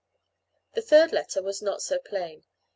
The third letter was not so plain.